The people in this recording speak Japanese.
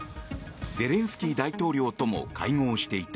ゼレンスキー大統領とも会合していた。